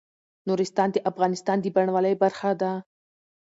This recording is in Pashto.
نورستان د افغانستان د بڼوالۍ برخه ده.